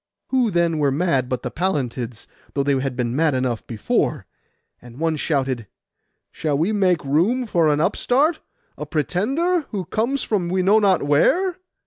Who, then, were mad but the Pallantids, though they had been mad enough before? And one shouted, 'Shall we make room for an upstart, a pretender, who comes from we know not where?